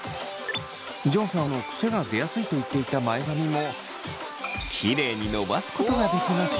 ジョンさんのくせが出やすいと言っていた前髪もキレイに伸ばすことができました。